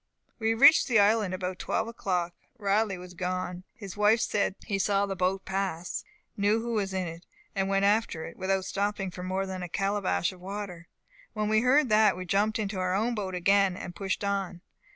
"We reached the island about twelve o'clock. Riley was gone. His wife said he saw the boat pass, knew who was in it, and went after it, without stopping for more than a calabash of water. When we heard that, we jumped into our own boat again, and pushed on.